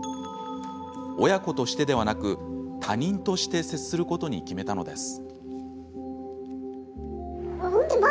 親子としてではなく他人として接することに決めたのです。